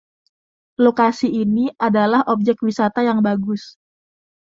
Lokasi ini adalah objek wisata yang bagus.